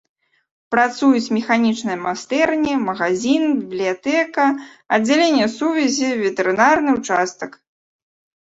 Працуюць механічныя майстэрні, магазін, бібліятэка, аддзяленне сувязі, ветэрынарны ўчастак.